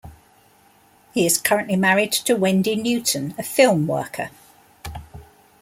He is currently married to Wendy Newton, a film worker.